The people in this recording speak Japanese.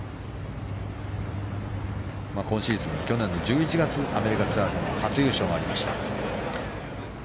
今シーズン、去年１１月アメリカツアーでの初優勝もありました。